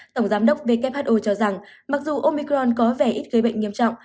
tổng giám đốc who cho rằng mặc dù omicron có vẻ ít gây bệnh nghiêm trọng